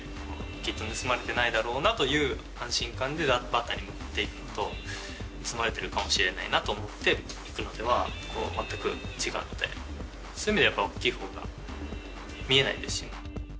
きっと盗まれてないだろうなという安心感でバッターに向かっていくのと、盗まれているかもしれないと思っていくのでは、全く違って、そういう意味ではやっぱり大きいほうが、見えないですし。